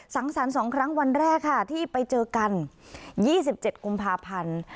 สังสรรค์๒ครั้งวันแรกค่ะที่ไปเจอกัน๒๗กุมภาพันธ์